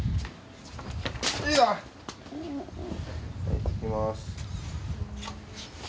行ってきます。